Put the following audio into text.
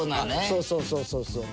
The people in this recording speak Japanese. そうそうそうそう。